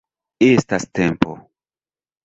Estas tempo!